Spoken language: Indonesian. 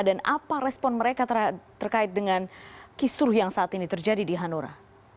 apa respon mereka terkait dengan kisruh yang saat ini terjadi di hanura